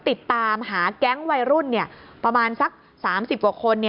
ติดตามหาแก๊งวัยรุ่นประมาณสัก๓๐กว่าคน